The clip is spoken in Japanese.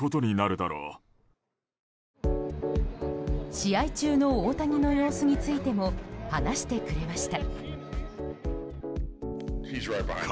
試合中の大谷の様子についても話してくれました。